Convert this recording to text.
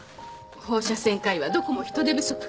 放射線科医はどこも人手不足。